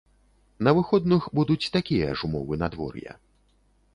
На выходных будуць такія ж умовы надвор'я.